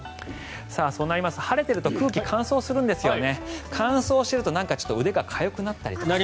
そうなりますと晴れていると空気が乾燥するんですね。